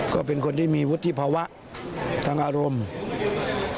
ก็เป็นคนที่มีวุฒิภาวะทางอารมณ์